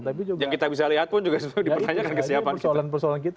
yang kita bisa lihat pun juga sudah dipertanyakan kesiapan kita